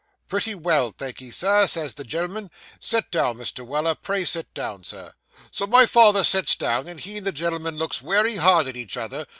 "Pretty well, thank'ee, Sir," says the gen'l'm'n; "sit down, Mr. Weller pray sit down, sir." So my father sits down, and he and the gen'l'm'n looks wery hard at each other.